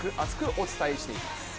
お伝えしていきます。